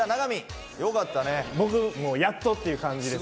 僕、やっとっていう感じです。